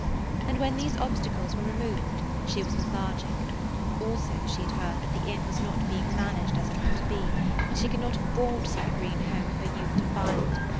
And when these obstacles were removed, she was lethargic; also she had heard that the [Page 107] inn was not being managed as it ought to be, and she could not have borne to see the green home of her youth defiled.